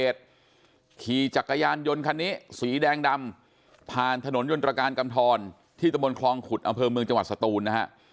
สีแดงดำผ่านถนนยนตรการกำธรที่ตระบวนคลองขุดอำเภอเมืองจังหวัดสตูนนะฮะ